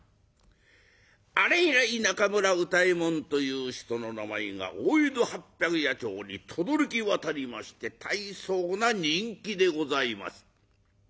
あれ以来中村歌右衛門という人の名前が大江戸八百八町にとどろき渡りまして大層な人気でございます。